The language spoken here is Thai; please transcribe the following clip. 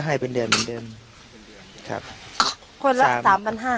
ก็ให้เป็นเดือนเหมือนเดิมครับคนละสามพันห้าสามพันห้า